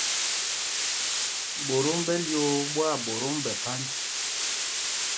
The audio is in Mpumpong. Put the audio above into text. Ɓotōm ɓɛ lyōō ɓwâɓotōm ɓɛ phanj.